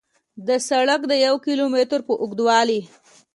د سړک د یو کیلو متر په اوږدوالي